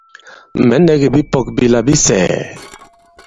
Mɛ̌ nɛ̄ kì bipɔ̄k bila bi sɛ̀ɛ̀.